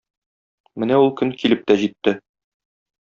Менә ул көн килеп тә җитте.